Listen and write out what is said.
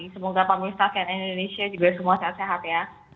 semoga pemulih staf di cnn indonesia juga semua sehat sehat ya